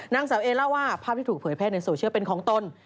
นางสาวเอเล่าว่าภาพที่ถูกเผยแพร่ในโซเชียลเป็นของตน